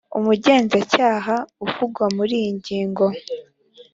umugenzacyaha uvugwa muri iyi ngingo